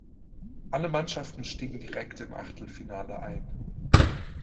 Alle Mannschaften stiegen direkt im Achtelfinale ein.